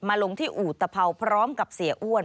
มาลงที่อู่ตะเผาพร้อมกับเสียอ้วน